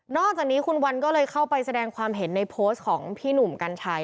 อกจากนี้คุณวันก็เลยเข้าไปแสดงความเห็นในโพสต์ของพี่หนุ่มกัญชัย